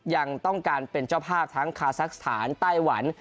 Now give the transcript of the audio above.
ยังต้องการเป็นเจ้าภาพทั้งคาซักสถานไต้หวัน